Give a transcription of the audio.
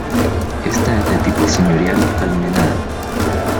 Esta es de tipo señorial almenada.